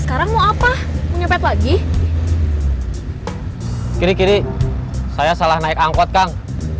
sekarang mau apa menyepet lagi kiri kiri saya salah naik angkot kang